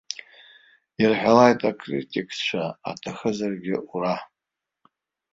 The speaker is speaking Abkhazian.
Ирҳәалааит акритикцәа аҭахызаргьы ура!